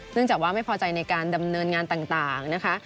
จากว่าไม่พอใจในการดำเนินงานต่างนะคะ